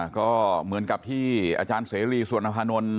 ก็เหมือนกับที่อาจารย์เสรีสุวรรณภานนท์